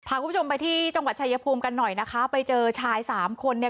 คุณผู้ชมไปที่จังหวัดชายภูมิกันหน่อยนะคะไปเจอชายสามคนเนี่ย